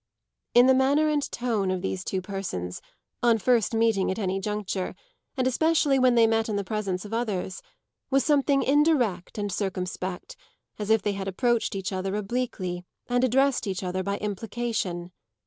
In the manner and tone of these two persons, on first meeting at any juncture, and especially when they met in the presence of others, was something indirect and circumspect, as if they had approached each other obliquely and addressed each other by implication.